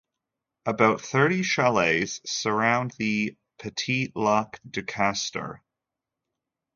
About thirty chalets surround the Petit lac du Castor.